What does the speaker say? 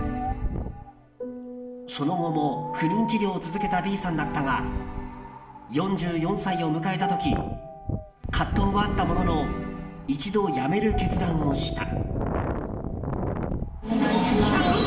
その後も不妊治療を続けたＢさんだったが４４歳を迎えた時葛藤はあったものの一度、やめる決断をした。